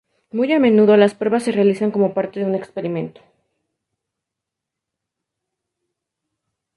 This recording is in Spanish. Muy a menudo, las pruebas se realizan como parte de un experimento.